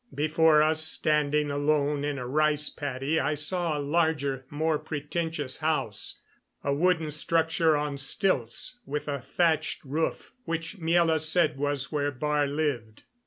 Before us, standing alone in a rice paddy, I saw a larger, more pretentious house a wooden structure on stilts, with a thatched roof, which Miela said was where Baar lived.